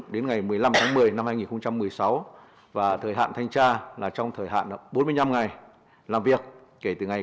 đến ngày một mươi năm tháng một mươi năm hai nghìn một mươi sáu và thời hạn thanh tra là trong thời hạn bốn mươi năm ngày làm việc kể từ ngày